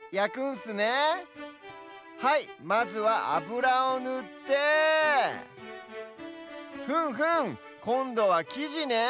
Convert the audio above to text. はいまずはあぶらをぬってふむふむこんどはきじね。